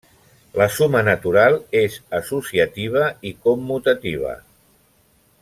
La suma natural és associativa i commutativa.